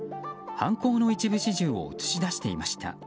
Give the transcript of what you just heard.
犯行の一部始終を映し出していました。